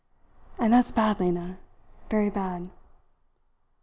And that's bad, Lena, very bad."